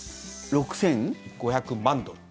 ６５００万ドル。